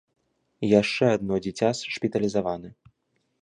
Яшчэ адно дзіця шпіталізавана.